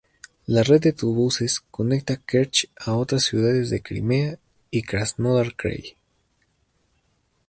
La red de autobuses conecta Kerch a otras ciudades de Crimea y Krasnodar Krai.